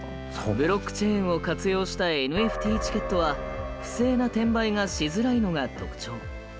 ブロックチェーンを活用したＮＦＴチケットは不正な転売がしづらいのが特徴。